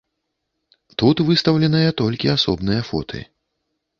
Тут выстаўленыя толькі асобныя фоты.